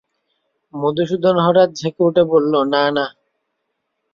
মধুসূদন হঠাৎ ঝেঁকে উঠে বলে উঠল, না না।